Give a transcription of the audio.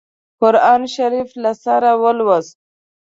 قرآن شریف له سره ولووست.